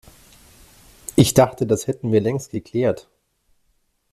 Ich dachte, das hätten wir längst geklärt.